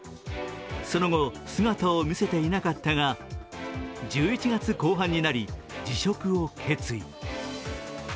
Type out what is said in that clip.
その後、姿を見せていなかったが１１月後半になり辞職を決意。